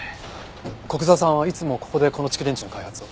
古久沢さんはいつもここでこの蓄電池の開発を？